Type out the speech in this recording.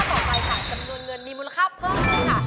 ต่อไปค่ะจำนวนเงินมีมูลค่าเพิ่มขึ้นค่ะ